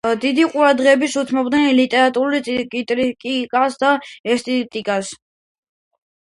დიდ ყურადღებას უთმობდნენ ლიტერატურულ კრიტიკას და ესთეტიკას.